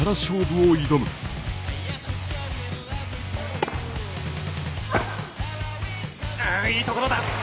うん、いいところだ！